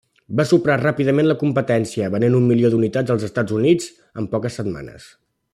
Va superar ràpidament la competència, venent un milió d'unitats als Estats Units en poques setmanes.